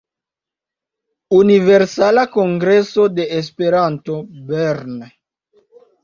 Universala Kongreso de Esperanto Bern“.